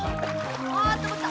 あったまった！